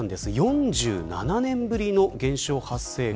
４７年ぶりの現象発生か。